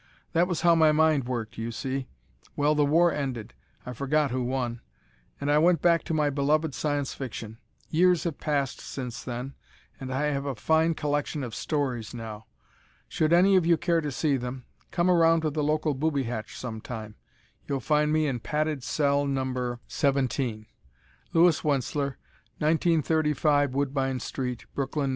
That was how my mind worked, you see. Well, the war ended I forgot who won and I went back to my beloved Science Fiction. Years have passed since then, and I have a fine collection of stories now. Should any of you care to see them, come around to the local booby hatch some time: you'll find me in Padded Cell No. 17. Louis Wentzler, 1935 Woodbine St., Brooklyn, N.